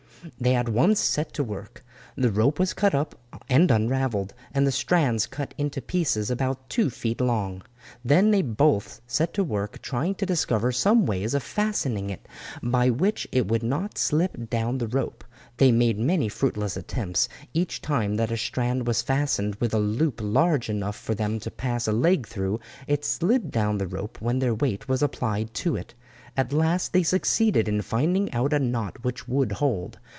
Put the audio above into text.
They at once set to work. The rope was cut up and unravelled, and the strands cut into pieces about two feet long. They then both set to work trying to discover some way of fastening it by which it would not slip down the rope. They made many fruitless attempts; each time that a strand was fastened with a loop large enough for them to pass a leg through, it slid down the rope when their weight was applied to it. At last they succeeded in finding out a knot which would hold.